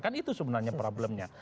kan itu sebenarnya problemnya